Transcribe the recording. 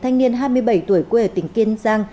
thanh niên hai mươi bảy tuổi quê ở tỉnh kiên giang